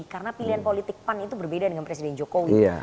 karena pilihan politik pan itu berbeda dengan presiden jokowi